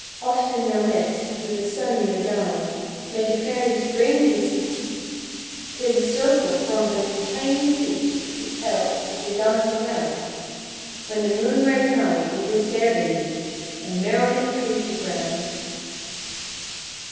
Oft in their midst, with a sunnier dye, May the Fairies' Ring be seen! 'Tis a circle formed by the tiny feet Of the Elves, as they dance around: When the moon rides high it is there they meet, And merrily tread the ground!